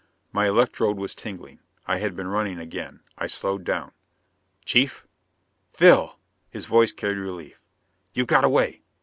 My electrode was tingling. I had been running again. I slowed down. "Chief?" "Phil." His voice carried relief. "You got away?"